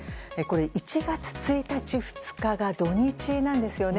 １月１日、２日が土日なんですよね。